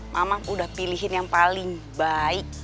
mamang udah pilihin yang paling baik